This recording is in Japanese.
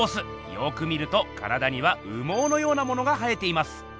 よく見ると体には羽毛のようなものが生えています。